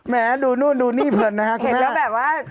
แม่ดูนู่นดูนี่เพลินนะครับ